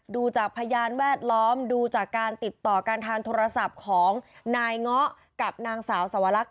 ดูจากพยานแวดล้อมดูจากการติดต่อการทางโทรศัพท์ของนายเงาะกับนางสาวสวรรค